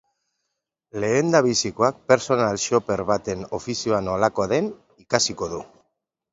Lehendabizikoak personal shopper baten ofizioa nolakoa den ikasiko du.